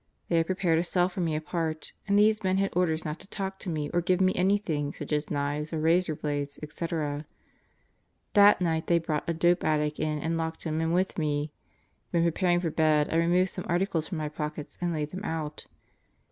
They had prepared a cell for me apart, and these men had orders not to talk to me or give me anything such as knives or razor blades, etc. That night they brought a dope addict in and locked him in with me. When preparing for bed I removed some articles from my pockets and laid them out.